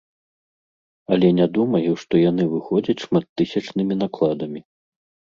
Але не думаю, што яны выходзяць шматттысячнымі накладамі.